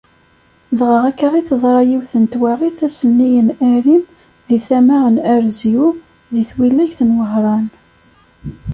Dɣa akka i teḍra yiwet n twaɣit ass-nni n arim deg tama n Arezyu, deg twilayt n Wehran.